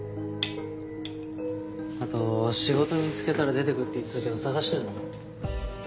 後仕事見つけたら出てくって言ってたけど探してるの？